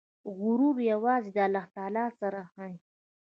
غرور یوازې د الله تعالی سره ښایي.